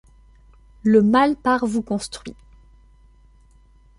Le mal par vous construit